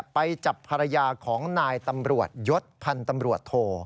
ไปจับภรรยาของนายตำรวจยศพันธ์ตำรวจโท